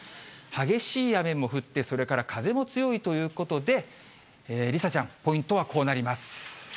激しい雨も降って、それから風も強いということで、梨紗ちゃん、ポイントはこうなります。